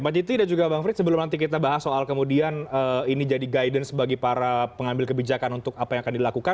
mbak jiti dan juga bang frits sebelum nanti kita bahas soal kemudian ini jadi guidance bagi para pengambil kebijakan untuk apa yang akan dilakukan